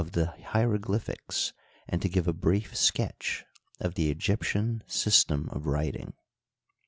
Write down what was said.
13 the hieroglyphics and to give a brief sketch of the Egyp tion system of writing.